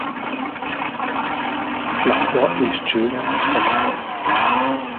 Lába és csőre fekete.